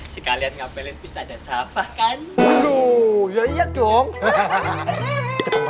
sekalian ngapelin pesta jasabah kan dulu ya iya dong hahaha